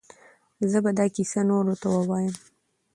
زه به دا کیسه نورو ته ووایم.